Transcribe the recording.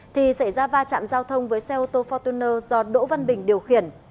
thì xảy ra va chạm giao thông với xe ô tô fortuner do đỗ văn bình điều khiển